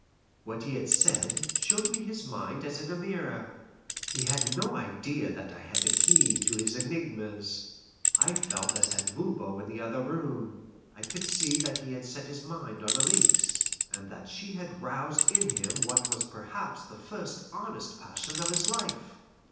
What he had said showed me his mind as in a mirror. He had no idea that I had the key to his enigmas. I felt as had Voban in the other room. I could see that he had set his mind on Alixe, and that she had roused in him what was perhaps the first honest passion of his life.